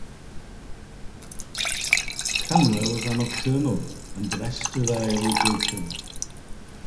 Cranwell's are nocturnal and rest with their eyelids open.